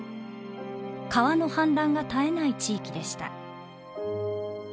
川の氾濫が絶えない地域でした。